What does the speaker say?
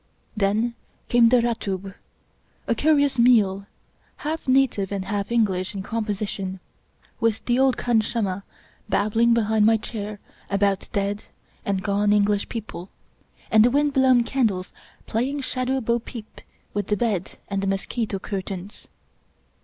Then came the ratub — a curious meal, half native and half English in composition — ^with the old khansamah babbling behind my chair about dead and gone English people, and the wind blown candles playing shadow bo peep with the bed and the mosquito curtains.